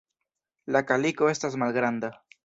La kaliko estas malgranda.